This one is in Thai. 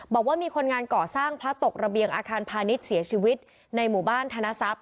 บอกว่ามีคนงานก่อสร้างพระตกระเบียงอาคารพาณิชย์เสียชีวิตในหมู่บ้านธนทรัพย